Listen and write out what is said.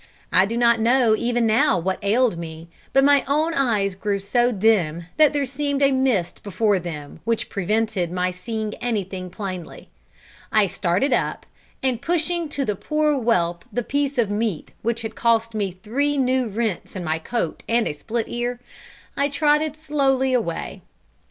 I do not know even now what ailed me; but my own eyes grew so dim, that there seemed a mist before them which prevented my seeing anything plainly. I started up, and pushing to the poor whelp the piece of meat which had cost me three new rents in my coat and a split ear, I trotted slowly away.